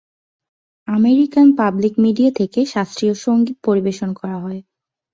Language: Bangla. আমেরিকান পাবলিক মিডিয়া থেকে শাস্ত্রীয় সঙ্গীত পরিবেশন করা হয়।